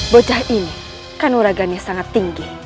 bodah ini kanuragannya sangat tinggi